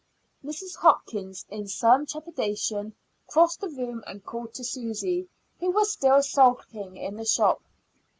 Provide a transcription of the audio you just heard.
Mrs. Hopkins, in some trepidation, crossed the room and called to Susy, who was still sulking in the shop.